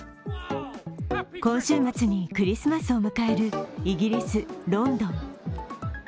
今週末にクリスマスを迎えるイギリス・ロンドン。